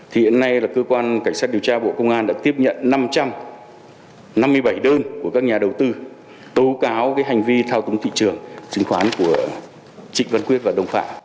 thì hiện nay là cơ quan cảnh sát điều tra bộ công an đã tiếp nhận năm trăm năm mươi bảy đơn của các nhà đầu tư tố cáo hành vi thao túng thị trường chứng khoán của trịnh văn quyết và đồng phạm